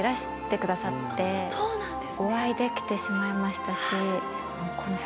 お会いできてしまいましたし。